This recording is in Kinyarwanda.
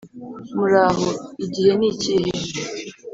muraho, igihe nikihe?